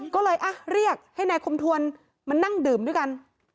ก็เลยเรียกให้นายคมทวนมานั่งดื่มด้วยกัน